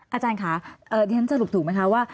อาจารย์ค่ะที่ฉันสรุปถูกไหมคะ